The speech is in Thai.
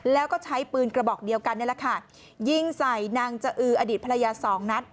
แล้วก็ใช้ปืนกระบอกเดียวกันนี่แหละค่ะยิงใส่นางจะอืออดีตภรรยาสองนัด